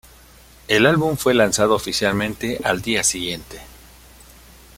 El álbum fue lanzado oficialmente al día siguiente.